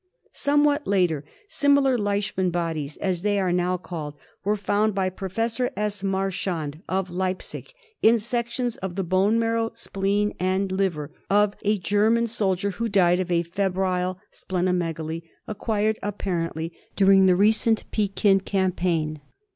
Somewhat later similar " Leishman bodies," as they are now called, were found by Professor S. Marchand, of Leipsic, in sections of the bone marrow, spleen, and liver of a German soldier who died of a febrile spleno megaly acquired apparently during the recent Pekin campaign.